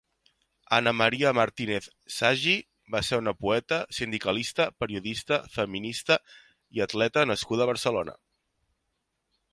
Anna Maria Martínez Sagi va ser una poeta, sindicalista, periodista, feminista i atleta nascuda a Barcelona.